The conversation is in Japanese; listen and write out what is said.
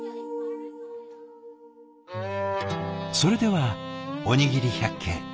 それでは「おにぎり百景」。